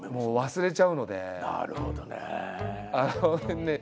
なるほどね。